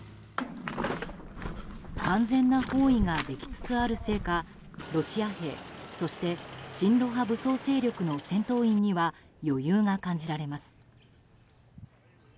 完全な包囲ができつつあるせいかロシア兵、そして親露派武装勢力の戦闘員には余裕が感じられます。